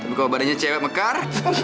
tapi kalau badannya cewek mekar